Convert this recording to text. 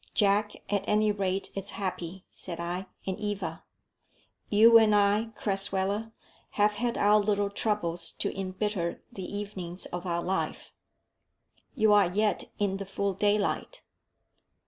"Jack, at any rate, is happy," said I, "and Eva. You and I, Crasweller have had our little troubles to imbitter the evenings of our life." "You are yet in the full daylight."